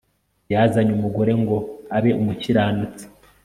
yazanye umugore ngo abe umukiranutsi